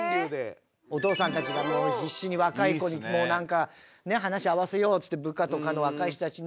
お父さんたちが必死に若い子にもうなんか話合わせようっつって部下とかの若い人たちに。